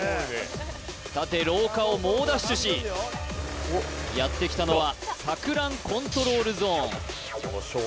さて廊下を猛ダッシュしやってきたのは錯乱コントロールゾーン